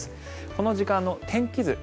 この時間の天気図